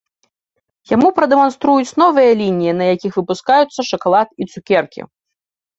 Яму прадэманструюць новыя лініі, на якіх выпускаюцца шакалад і цукеркі.